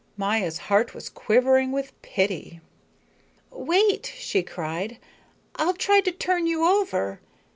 Maya's heart was quivering with pity. "Wait," she cried, "I'll try to turn you over.